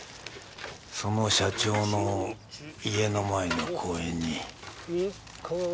その社長の家の前の公園にあいつが。